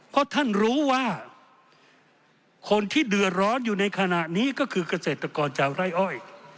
เพราะท่านรู้ว่าคนที่เดือดร้อนอยู่ในขณะนี้ก็คือเกษตรกรชาวไร่อ้อย